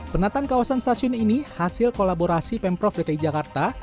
penataan kawasan stasiun ini hasil kolaborasi pemprov dki jakarta